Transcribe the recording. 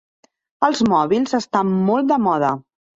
Els mòbils estan molt de moda.